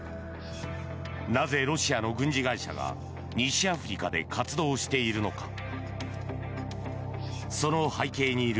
なぜ、ロシアの軍事会社が西アフリカで活動しているのか。